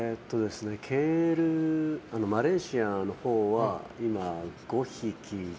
マレーシアのほうは今５匹で。